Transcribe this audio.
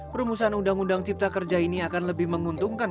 perumusan undang undang cipta kerja ini akan lebih menguntungkan